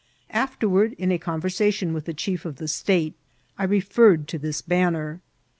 Afterward, in a conversation with the chief of the state, I referred to this banner.